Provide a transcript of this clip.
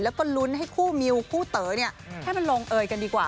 แล้วก็ลุ้นให้คู่มิวคู่เต๋อให้มันลงเอยกันดีกว่า